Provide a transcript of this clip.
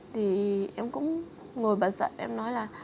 thì em cũng ngồi bật giận em nói là